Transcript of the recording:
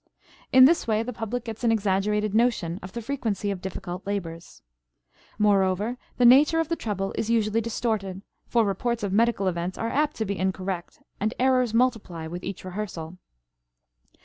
In this way the public gets an exaggerated notion of the frequency of difficult labors. Moreover, the nature of the trouble is usually distorted, for reports of medical events are apt to be incorrect, and errors multiply with each rehearsal.